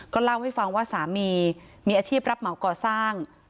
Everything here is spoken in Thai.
เล่าให้ฟังว่าสามีมีอาชีพรับเหมาก่อสร้าง